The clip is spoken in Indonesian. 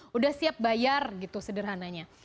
udah siap bayar gitu sederhananya